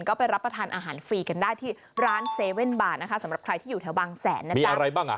ก็ไปรับประทานอาหารฟรีกันได้ที่ร้านเซเว่นบาร์สำหรับใครที่อยู่แถวบางแสนนะจ๊ะ